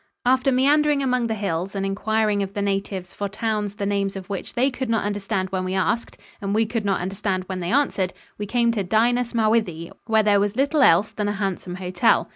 After meandering among the hills and inquiring of the natives for towns the names of which they could not understand when we asked and we could not understand when they answered, we came to Dinas Mowddwy, where there was little else than a handsome hotel.